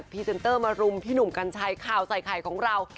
เซนเตอร์มารุมพี่หนุ่มกัญชัยข่าวใส่ไข่ของเรา